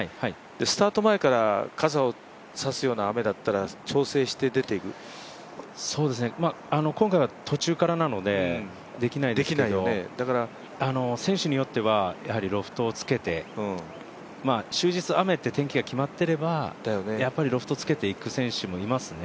スタート前から、傘を差すような雨だったら今回は途中からなのでできないですけど、選手によってはロフトをつけて、終日雨って天気が決まっていればやっぱりロフトつけていく選手もいますね。